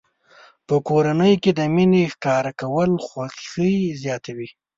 په کورنۍ کې د مینې ښکاره کول خوښي زیاتوي.